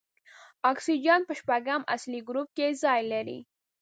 اکسیجن په شپږم اصلي ګروپ کې ځای لري.